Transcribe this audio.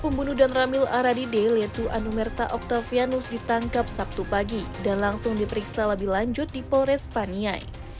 pembunuh dan ramil aradide yaitu anumerta octavianus ditangkap sabtu pagi dan langsung diperiksa lebih lanjut di polres paniai